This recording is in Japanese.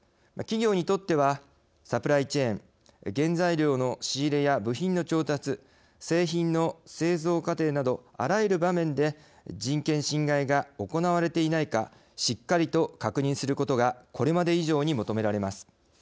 企業にとってはサプライチェーン原材料の仕入れや部品の調達製品の製造過程などあらゆる場面で人権侵害が行われていないかしっかりと確認することがこれまで以上に求められます。